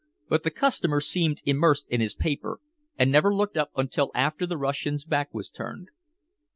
But the customer seemed immersed in his paper, and never looked up until after the Russian's back was turned.